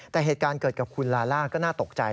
แต่เหตุการณ์เกิดกับคุณลาล่าก็น่าตกใจ